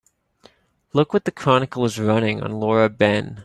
Look what the Chronicle is running on Laura Ben.